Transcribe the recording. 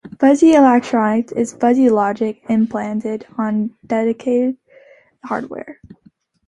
Fuzzy electronics is fuzzy logic implemented on dedicated hardware.